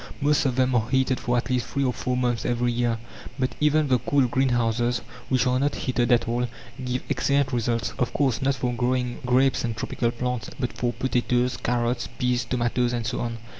Most of them are heated for at least three of four months every year; but even the cool greenhouses, which are not heated at all, give excellent results of course, not for growing grapes and tropical plants, but for potatoes, carrots, peas, tomatoes, and so on.